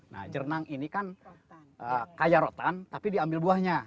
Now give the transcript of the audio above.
nah jernang ini kan kaya rotan tapi diambil buahnya